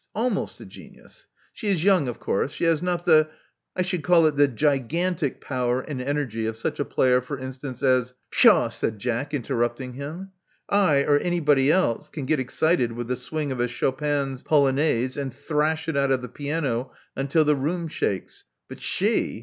Almost a genius. She is young, of course. She has not the — I should call it the gi^^antic power and energy of such a player, for instance, as " "Pshaw!" said Jack, interrupting him. I, or any body else, can get excited with the swing of a Chopin's polonaise, and thrash it out of the piano until the room shakes. But she